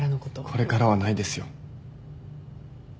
これからはないですよ。